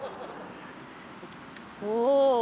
おお。